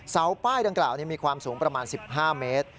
เสาป้ายดังกล่าวมีความสูงประมาณ๑๕เมตร